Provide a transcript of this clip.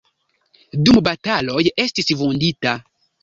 Dum bataloj estis vundita.